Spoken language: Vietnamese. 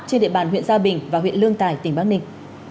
trên địa bàn huyện gia bình và huyện lương tài tỉnh bắc ninh